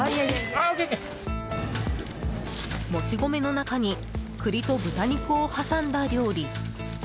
もち米の中に栗と豚肉を挟んだ料理。